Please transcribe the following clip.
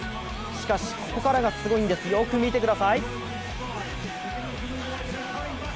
しかし、ここからがすごいんですよく見てください。